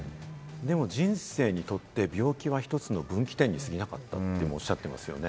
でも、人生にとって病気は１つの分岐点に過ぎなかったとおっしゃってますね。